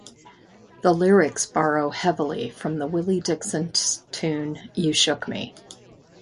The lyrics borrow heavily from the Willie Dixon tune "You Shook Me".